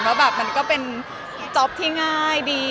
ว่าแบบมันก็เป็นจ๊อปที่ง่ายดี